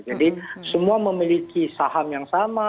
jadi semua memiliki saham yang sama